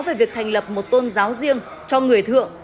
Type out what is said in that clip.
về việc thành lập một tôn giáo riêng cho người thượng